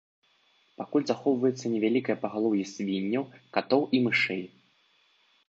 Пакуль захоўваецца невялікае пагалоўе свінняў, катоў і мышэй.